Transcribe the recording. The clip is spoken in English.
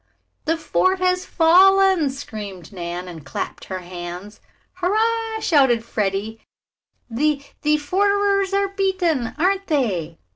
"The fort has fallen!" screamed Nan, and clapped her hands. "Hurrah!" shouted Freddie. "The the forters are beaten, aren't they?"